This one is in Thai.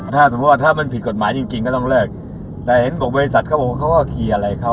ถ้าถ้ามันปิดกฎหมายจริงก็ต้องเลิกแต่เห็นบอกบริษัทเขาว่าเพรียนไร